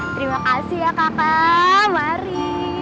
terima kasih ya kakak mari